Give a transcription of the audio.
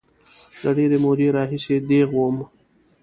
له ډېرې مودې راهیسې دیغ وم.